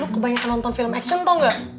lo kebanyakan nonton film action tau ga